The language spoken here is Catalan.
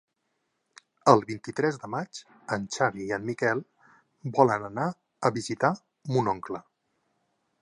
El vint-i-tres de maig en Xavi i en Miquel volen anar a visitar mon oncle.